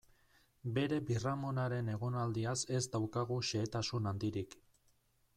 Bere birramonaren egonaldiaz ez daukagu xehetasun handirik.